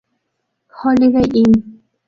Holiday Inn